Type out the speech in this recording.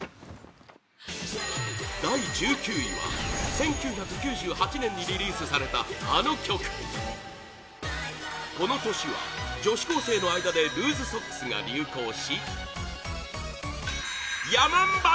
第１９位は１９９８年にリリースされた、あの曲この年は、女子高生の間でルーズソックスが流行しヤマンバ